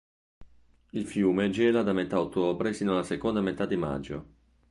Il fiume gela da metà ottobre sino alla seconda metà di maggio.